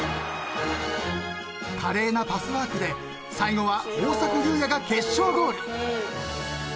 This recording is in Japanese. ［華麗なパスワークで最後は大迫勇也が決勝ゴール］